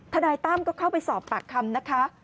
นายตั้มก็เข้าไปสอบปากคำนะคะ